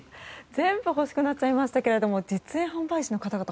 全部欲しくなっちゃいましたけど実演販売士の方々